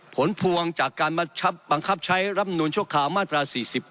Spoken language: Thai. ผลพวงจากการบังคับใช้รับนูลชั่วคราวมาตรา๔๘